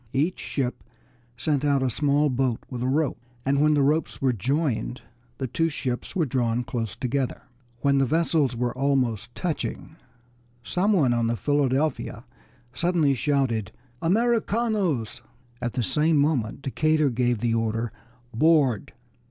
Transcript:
Each ship sent out a small boat with a rope, and when the ropes were joined the two ships were drawn close together. When the vessels were almost touching some one on the Philadelphia suddenly shouted, "Americanos!" At the same moment Decatur gave the order "Board!"